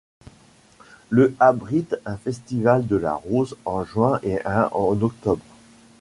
Le abrite un festival de la rose en juin et un en octobre.